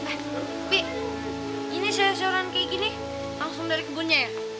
tapi ini sayuran kayak gini langsung dari kebunnya ya